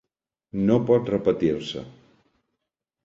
No pot repetir-se.